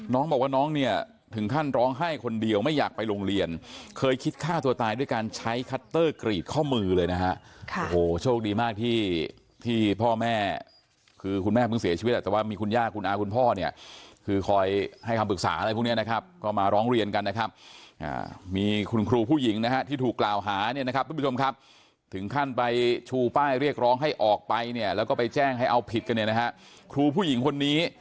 นี่หาว่าเด็กผู้ชายบอกว่าเด็กผู้ชายบอกเพื่อนว่าเด็กผู้ชายบอกเพื่อนว่าเด็กผู้ชายบอกเพื่อนว่าเด็กผู้ชายบอกเพื่อนว่าเด็กผู้ชายบอกเพื่อนว่าเด็กผู้ชายบอกเพื่อนว่าเด็กผู้ชายบอกเพื่อนว่าเด็กผู้ชายบอกเพื่อนว่าเด็กผู้ชายบอกเพื่อนว่าเด็กผู้ชายบอกเพื่อนว่าเด็กผู้ชายบอกเพื่อนว่าเด็กผู้ชายบอกเพื่อนว่าเด็กผู้ชายบอกเพ